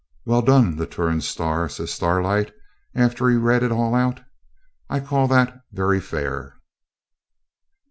Well done, the "Turon Star"!' says Starlight, after he read it all out. 'I call that very fair.